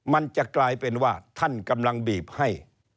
มันจะกลายเป็นว่าท่านกำลังบีบให้